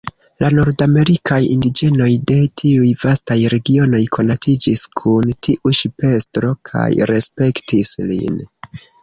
La nordamerikaj indiĝenoj de tiuj vastaj regionoj konatiĝis kun tiu ŝipestro kaj respektis lin.